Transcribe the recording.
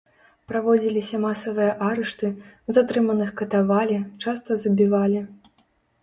Праводзіліся масавыя арышты, затрыманых катавалі, часта забівалі.